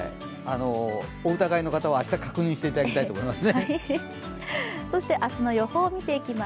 お疑いの方は明日確認していただきたいと思います。